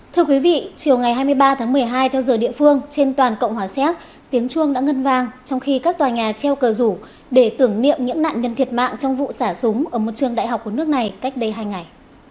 thưa quý vị chiều ngày hai mươi ba tháng một mươi hai theo giờ địa phương trên toàn cộng hòa xéc tiếng chuông đã ngân vang trong khi các tòa nhà treo cờ rủ để tưởng niệm những nạn nhân thiệt mạng trong vụ xả súng ở một trường đại học của nước này cách đây hai ngày